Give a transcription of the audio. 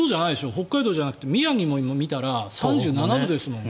北海道じゃなくて宮城も見たら今日３７度ですもん。